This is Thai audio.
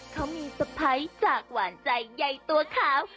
เขามีสไปร์สจากหวานใจใยตัวขาว